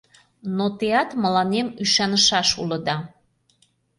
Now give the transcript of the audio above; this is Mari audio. Но теат мыланем ӱшанышаш улыда.